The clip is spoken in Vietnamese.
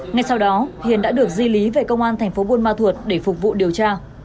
ngay sau đó hiền đã được di lý về công an thành phố buôn ma thuột để phục vụ điều tra